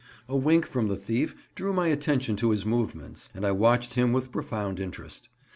A wink from the thief drew my attention to his movements, and I watched him with profound interest.